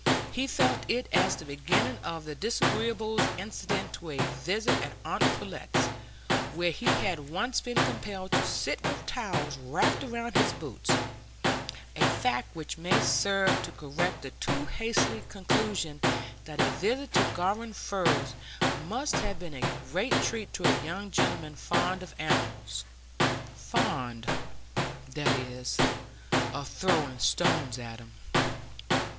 He felt it as the beginning of the disagreeables incident to a visit at aunt Pullet's, where he had once been compelled to sit with towels wrapped round his boots; a fact which may serve to correct the too hasty conclusion that a visit to Garum Firs must have been a great treat to a young gentleman fond of animals,—fond, that is, of throwing stones at them.